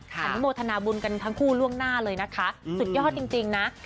อนุโมทนาบุญกันทั้งคู่ล่วงหน้าเลยนะคะสุดยอดจริงนะ